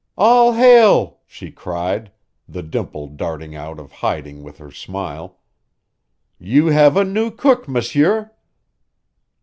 "All hail!" she cried, the dimple darting out of hiding with her smile. "You have a new cook, monsieur."